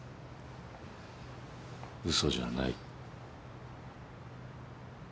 嘘じゃない。